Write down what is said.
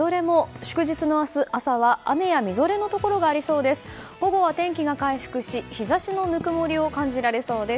祝日の明日、朝は雨やみぞれのところがありそうです。